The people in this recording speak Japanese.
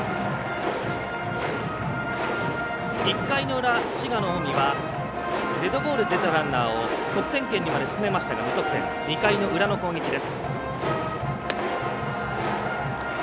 １回の裏、滋賀の近江はデッドボールで出たランナーを得点圏まで進めましたが無得点、２回の裏の攻撃です。